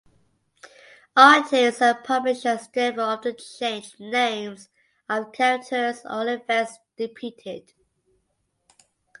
Artists and publishers therefore often changed the names of characters or events depicted.